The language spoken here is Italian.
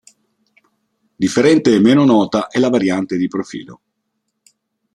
Differente e meno nota è la variante di profilo.